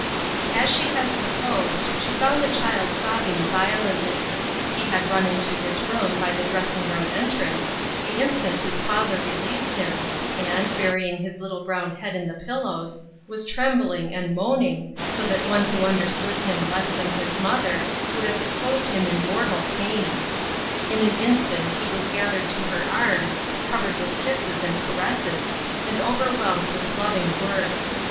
As she had supposed, she found the child sobbing violently. He had run to his room, by the dressing room entrance, the instant his father released him, and, burying his little brown head in the pillows, was trembling and moaning, so that one who under stood him less than his mother, would have sup posed him in mortal pain. In an instant he was gathered to her arms, covered with kisses and caresses, and overwhelmed with loving words.